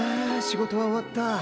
仕事は終わった。